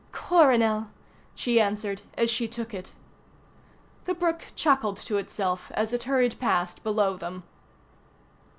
"Coronel," she answered as she took it. The brook chuckled to itself as it hurried past below them.